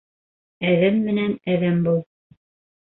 Әҙәм менән әҙәм бул.